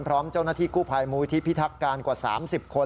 พร้อมเจ้าหน้าที่กู้ภัยมูลที่พิทักการกว่า๓๐คน